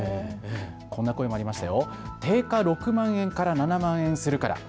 こんな声もありましたよ。